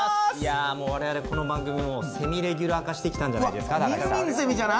いやもう我々この番組セミレギュラー化してきたんじゃないんですかたかしさん。